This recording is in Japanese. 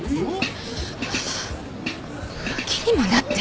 えっ！？